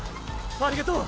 ありがとう！